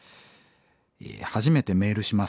「初めてメールします。